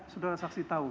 sudara saksi tahu